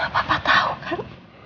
papa tahu kan